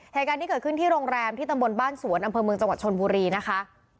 เหตุการณ์ที่เกิดขึ้นที่โรงแรมที่ตำบลบ้านสวนอำเภอเมืองจังหวัดชนบุรีนะคะ